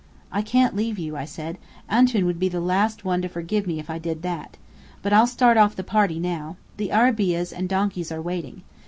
"I can't leave you," I said. "Antoun would be the last one to forgive me if I did that. But I'll start off the party, now. The arabeahs and donkeys are waiting.